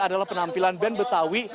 adalah penampilan band betawi